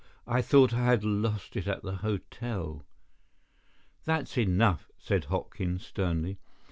I thought I had lost it at the hotel." "That is enough," said Hopkins, sternly.